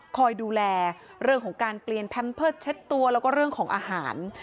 คอยดูแลเรื่องของการเปลี่ยนแพมเพิร์ตเช็ดตัวแล้วก็เรื่องของอาหาร